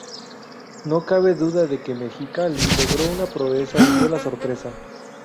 No cabe duda de que Mexicali logró una proeza y dio la sorpresa.